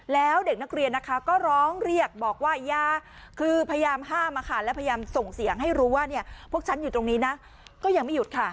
แล้วเด็กนักเรียนนะคะก็ร้องเรียกบอกว่ายาคือพยายามห้ามและพยายามส่งเสียงให้รู้ว่าพวกฉันอยู่ตรงนี้นะก็ยังไม่หยุดค่ะ